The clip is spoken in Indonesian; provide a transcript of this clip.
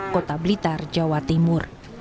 kota blitar jawa timur